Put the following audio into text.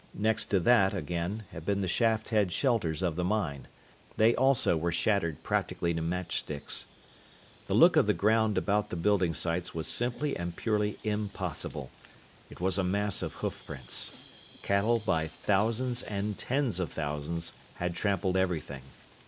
Next to that, again, had been the shaft head shelters of the mine. They also were shattered practically to matchsticks. The look of the ground about the building sites was simply and purely impossible. It was a mass of hoofprints. Cattle by thousands and tens of thousands had trampled everything.